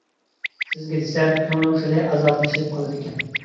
سىزگە دېسەم كۆڭلۈم خېلى ئازادىلىشىپ قالىدىكەن.